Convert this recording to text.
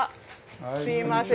すいません。